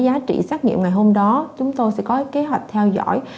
giá trị xét nghiệm ngày hôm đó chúng tôi sẽ có kế hoạch theo dõi